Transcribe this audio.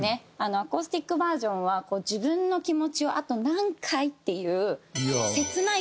「アコースティックｖｅｒ．」は自分の気持ちを「あと何回」っていう切ない